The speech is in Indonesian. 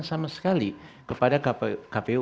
sama sekali kepada kpu